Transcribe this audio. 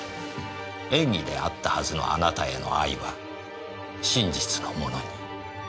演技であったはずのあなたへの愛は真実のものに。